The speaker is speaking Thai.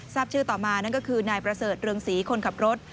ทราบชื่อต่อมานั่นก็คือนายประเสริฐเรืองศรีคนขับรถ